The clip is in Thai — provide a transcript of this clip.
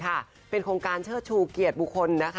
ก่ะเป็นโครงการเชิดชูเกียรตย์บุคคนน่ะคะ